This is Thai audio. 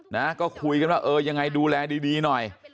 นะก็คุยกันว่าเออยังไงดูแลดีดีหน่อย